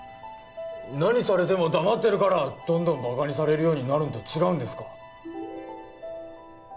何されても黙ってるからどんどんバカにされるようになるんと違うんですか？